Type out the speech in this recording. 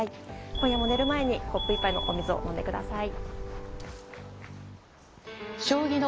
今夜も寝る前にコップ１杯のお水を飲んでください。